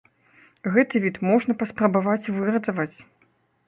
Гэты від можна паспрабаваць выратаваць.